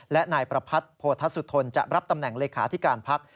และนายประพัฒน์โพทัศน์สุดทนจะรับตำแหน่งเลขาที่การพัก